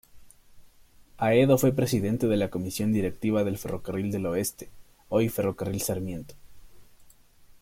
Haedo fue presidente de la comisión directiva del Ferrocarril del Oeste, hoy ferrocarril Sarmiento.